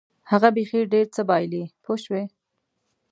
هغه بیخي ډېر څه بایلي پوه شوې!.